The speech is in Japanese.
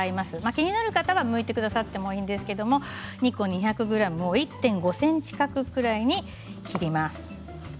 気になる方はむいてくださってもいいんですけれども２個２００ｇを１．５ｃｍ角に切ります。